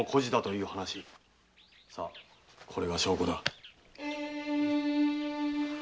さこれが証拠だ。